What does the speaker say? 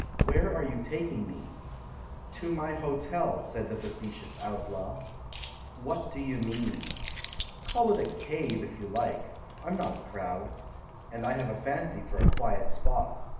"Where are you taking me?" "To my hotel," said the facetious outlaw. "What do you mean?" "Call it a 'cave' if you like — I'm not proud, and I have a fancy for a quiet spot.